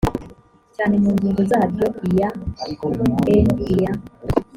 cyane mu ngingo zaryo iya n iya